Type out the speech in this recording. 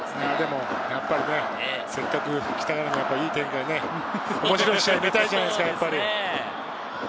やっぱりせっかく来たからには、いい展開、面白い試合を見たいじゃないですか。